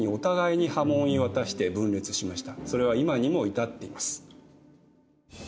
それは今にも至っています。